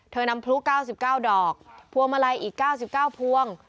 นำพลุ๙๙ดอกพวงมาลัยอีก๙๙พวง